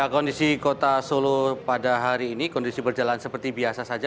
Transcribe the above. kondisi kota solo pada hari ini kondisi berjalan seperti biasa saja